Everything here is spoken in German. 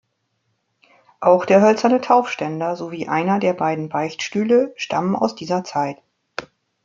Auch der hölzerne Taufständer sowie einer der beiden Beichtstühle stammen aus dieser Zeit.